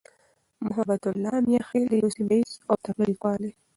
محبتالله "میاخېل" یو سیمهییز او تکړه لیکوال دی.